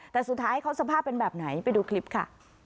แต่สุดท้ายเขาสภาพเป็นแบบไหนไปดูคลิปค่ะ